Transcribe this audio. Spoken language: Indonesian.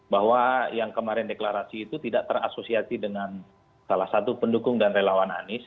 bahwa yang kemarin deklarasi itu tidak terasosiasi dengan salah satu pendukung dan relawan anies